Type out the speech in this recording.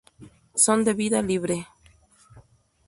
Son de vida libre.